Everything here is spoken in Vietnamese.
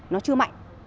nó chưa mạnh